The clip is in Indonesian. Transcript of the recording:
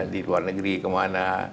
di luar negeri kemana